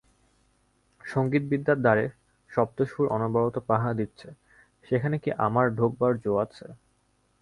সংগীতবিদ্যার দ্বারে সপ্তসুর অনবরত পাহারা দিচ্ছে, সেখানে কি আমার ঢোকবার জো আছে।